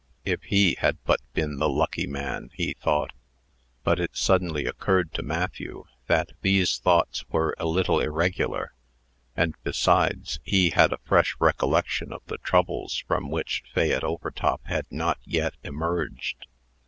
"If he had but been the lucky man!" he thought. But it suddenly occurred to Matthew that these thoughts were a little irregular; and, besides, he had a fresh recollection of the troubles from which Fayette Overtop had not yet emerged.